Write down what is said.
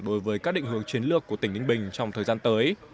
đối với các định hướng chiến lược của tỉnh ninh bình trong thời gian tới